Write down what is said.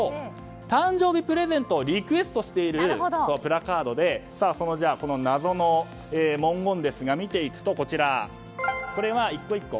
誕生日プレゼントをリクエストしているプラカードで謎の文言ですが見ていくと１個１個。